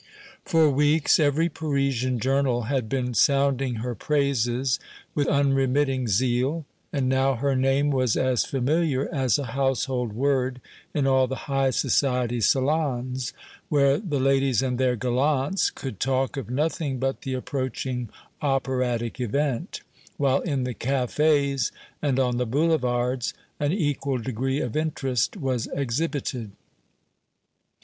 For weeks every Parisian journal had been sounding her praises with unremitting zeal, and now her name was as familiar as a household word in all the high society salons, where the ladies and their gallants could talk of nothing but the approaching operatic event, while in the cafés and on the boulevards an equal degree of interest was exhibited.